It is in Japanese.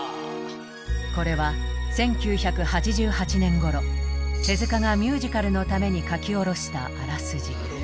これは１９８８年ごろ手がミュージカルのために書き下ろしたあらすじ。